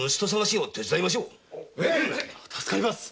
助かります。